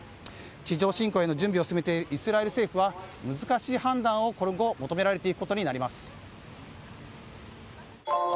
地上侵攻への準備を進めているイスラエル政府は難しい判断を今後求められていくことになります。